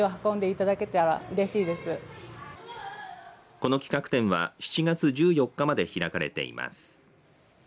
この企画展は７月１４日まで開かれています。